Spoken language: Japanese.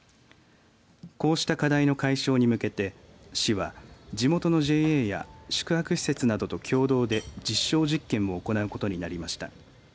こうした課題の解消に向けて市は地元のＪＡや宿泊施設などと共同で実証実験を行うことになりました。